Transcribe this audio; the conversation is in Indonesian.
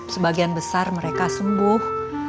sebagian besar mereka sembuh